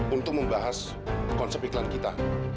untuk membahas konsep iklan kita